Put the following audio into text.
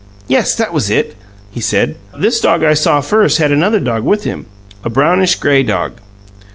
"Yes, that was it," he said. "This dog I saw first had another dog with him a brownish gray dog."